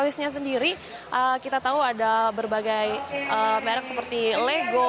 saya sendiri kita tahu ada berbagai merk seperti lego